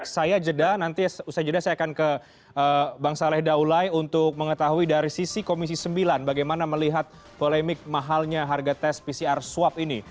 saya jeda nanti usai jeda saya akan ke bang saleh daulai untuk mengetahui dari sisi komisi sembilan bagaimana melihat polemik mahalnya harga tes pcr swab ini